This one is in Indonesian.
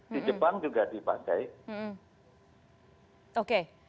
di jepang juga dipakai